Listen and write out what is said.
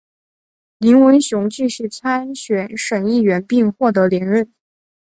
林文雄继续参选省议员并获得连任。